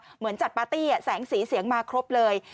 เหมือนจัดปาร์ตี้แสงสีเสียงมาครบเลย